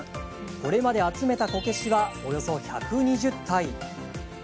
これまで集めたこけしはおよそ１２０体。